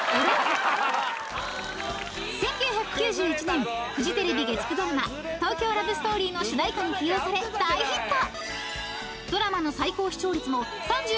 ［１９９１年フジテレビ月９ドラマ『東京ラブストーリー』の主題歌に起用され大ヒット］